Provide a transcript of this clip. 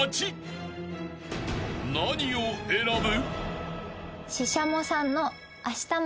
［何を選ぶ？］